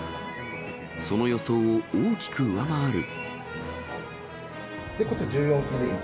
その予想を大きく上回る。